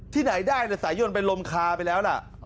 ที่ไหนได้แต่สายโยนไปลมคาไปแล้วหล่ะ